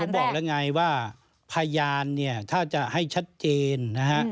ผมบอกแล้วไงว่าพยานเนี่ยถ้าจะให้ชัดเจนนะฮะ